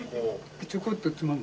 ちょこっとつまむ？